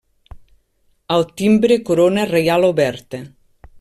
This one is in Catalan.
Al timbre corona reial oberta.